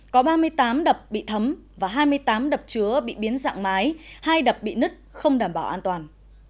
có ba mươi tám đập bị thấm và hai mươi tám đập chứa bị biến dạng mái hai đập bị nứt không đảm bảo an toàn